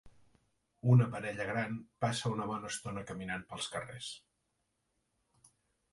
Una parella gran passa una bona estona caminant pels carrers.